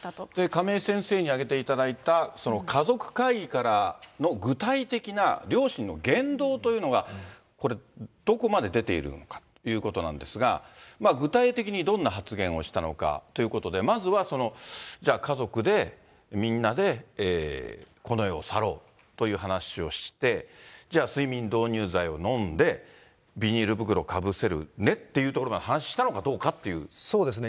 亀井先生に挙げていただいた家族会議からの具体的な両親の言動というのが、これ、どこまで出ているのかということなんですが、具体的にどんな発言をしたのかということで、まずは家族でみんなで、この世を去ろうという話をして、じゃあ、睡眠導入剤を飲んで、ビニール袋をかぶせるねっていうところを話したのかどうかっていそうですね。